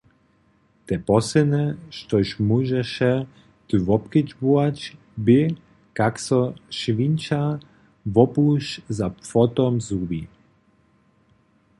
To posledne, štož móžeše ty wobkedźbować, bě, kak so šwinča wopuš za płotom zhubi.